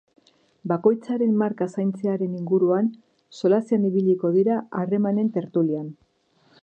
Bakoitzaren marka zaintzearen inguruan solasean ibiliko dira harremanen tertulian.